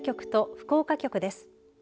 福岡局です。